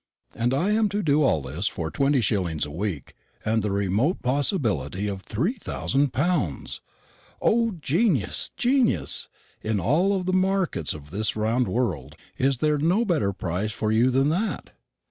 And I am to do all this for twenty shillings a week, and the remote possibility of three thousand pounds! O genius, genius! in all the markets of this round world is there no better price for you than that?